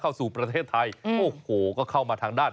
ขอบคุณมากขอบคุณมาก